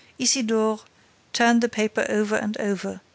Isidore turned the paper over and over.